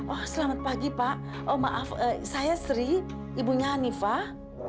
oh selamat pagi pak oh maaf saya sri ibunya hanifah